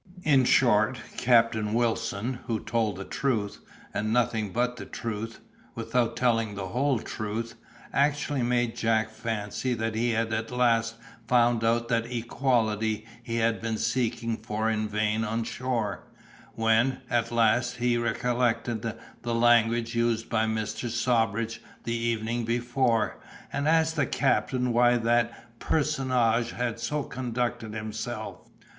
In short, Captain Wilson, who told the truth, and nothing but the truth, without telling the whole truth, actually made Jack fancy that he had at last found out that equality he had been seeking for in vain on shore, when, at last, he recollected the language used by Mr. Sawbridge the evening before, and asked the captain why that personage had so conducted himself.